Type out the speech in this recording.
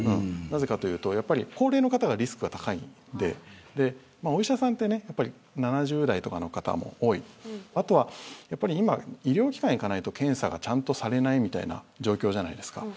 なぜかというと高齢の方がリスクが高いんでお医者さんって７０代の方も多い後は、医療機関行かないと検査がちゃんとされないみたいな状況じゃないですか。